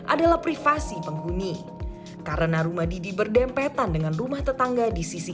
adalah privasi penghuni karena rumah didi berdempetan dengan rumah tetangga di sisi